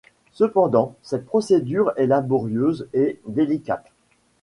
Cependant, cette procédure est laborieuse et délicate.